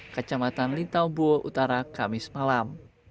kecamatan lintaumbuo utara kamis malam